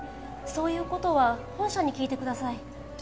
そういう事は本社に聞いてください。